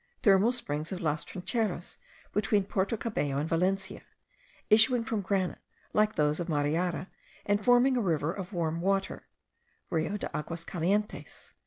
Thermal springs of Las Trincheras, between Porto Cabello and Valencia, issuing from granite like those of Mariara, and forming a river of warm water (Rio de Aguas Calientes).